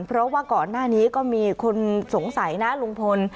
เพราะว่าก่อนหน้านี้ก็มีคนสงสัยนะลุงพล